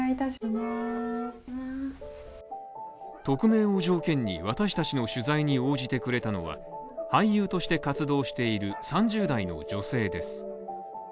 匿名を条件に、私たちの取材に応じてくれたのは俳優として活動している３０代の女性です。